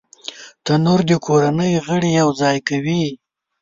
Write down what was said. تنور د کورنۍ غړي یو ځای کوي